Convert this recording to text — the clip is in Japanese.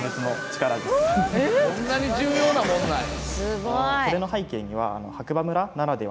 そんなに重要なもんなんや。